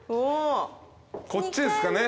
こっちですかね？